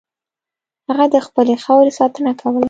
هغه د خپلې خاورې ساتنه کوله.